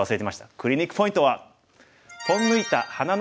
クリニックポイントは。